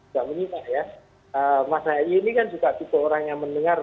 pak aye ini kan juga orang yang mendengar